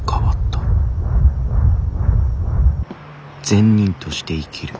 善人として生きる。